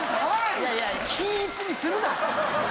いやいや均一にするな！